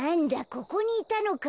ここにいたのか。